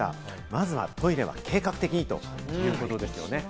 まずはトイレは計画的にということですね。